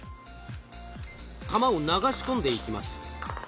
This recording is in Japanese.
玉を流し込んでいきます。